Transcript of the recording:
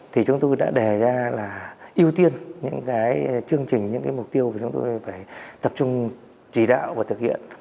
thì chúng tôi đã đề ra là ưu tiên những cái chương trình những cái mục tiêu chúng tôi phải tập trung chỉ đạo và thực hiện